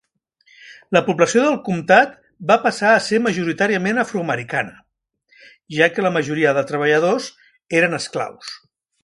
La població del comtat va passar a ser majoritàriament afroamericana, ja que la majoria de treballadors eren esclaus.